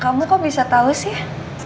kamu kok bisa tau sih